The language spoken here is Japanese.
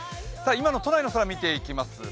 都内の空見ていきます。